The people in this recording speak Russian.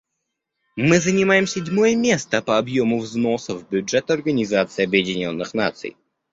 Мы занимаем седьмое место по объему взносов в бюджет Организации Объединенных Наций.